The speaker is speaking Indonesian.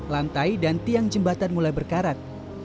lantai dan tiang jembatan mulai berkarat